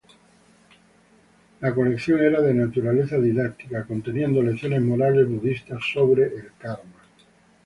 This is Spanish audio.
La colección era de naturaleza didáctica, conteniendo lecciones morales budistas sobre el karma.